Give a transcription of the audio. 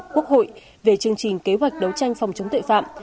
quốc hội về chương trình kế hoạch đấu tranh phòng chống tội phạm